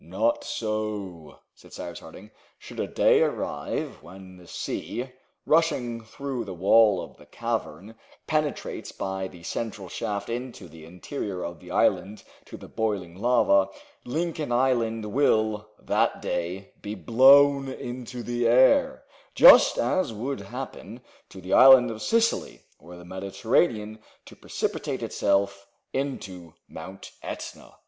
"Not so!" said Cyrus Harding, "should a day arrive when the sea, rushing through the wall of the cavern, penetrates by the central shaft into the interior of the island to the boiling lava, Lincoln Island will that day be blown into the air just as would happen to the island of Sicily were the Mediterranean to precipitate itself into Mount Etna."